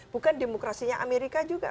bukan demokrasinya amerika juga